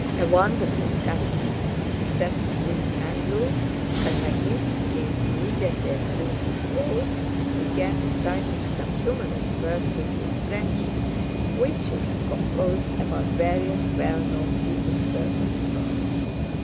"A wonderful talent!" he said to Prince Andrew, and Magnítski immediately assumed a pose and began reciting some humorous verses in French which he had composed about various well known Petersburg people.